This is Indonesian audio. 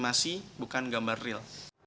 gambar animasi bukan gambar real